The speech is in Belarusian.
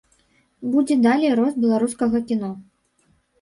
Будзе далей рост беларускага кіно.